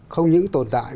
không những tồn tại